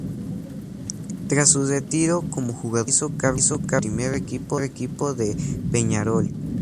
Tras su retiro como jugador se hizo cargo del primer equipo de Peñarol.